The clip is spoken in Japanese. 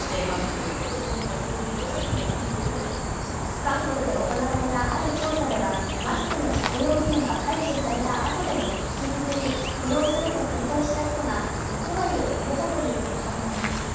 韓国で行われたある調査ではマスクの着用義務が解除されたあとでも引き続き着用すると回答した人が６割を超えたという結果もあります